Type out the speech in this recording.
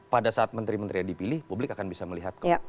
pada saat menteri menteri yang dipilih publik akan bisa melihat kok